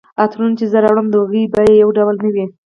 عطرونه چي زه راوړم د هغوی بیي یو ډول نه وي